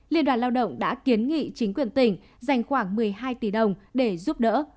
liên đoàn lao động đã kiến nghị chính quyền tỉnh dành khoảng một mươi hai tỷ đồng để giúp đỡ